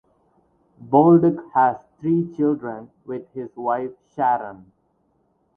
Bolduc has three children with his wife Sharon.